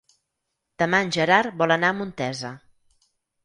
Demà en Gerard vol anar a Montesa.